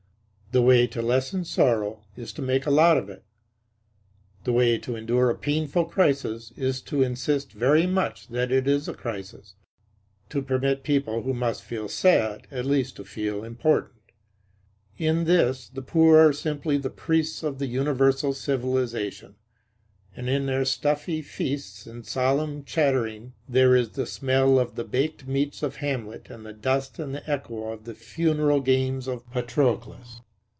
The way to lessen sorrow is to make a lot of it. The way to endure a painful crisis is to insist very much that it is a crisis; to permit people who must feel sad at least to feel important. In this the poor are simply the priests of the universal civilization; and in their stuffy feasts and solemn chattering there is the smell of the baked meats of Hamlet and the dust and echo of the funeral games of Patroclus.